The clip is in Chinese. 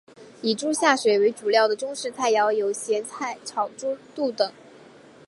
以猪下水为主料的中式菜肴有咸菜炒猪肚等。